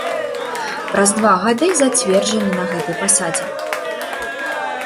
Праз два гады зацверджаны на гэтай пасадзе.